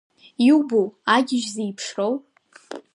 Иубоу агьежь зеиԥшроу!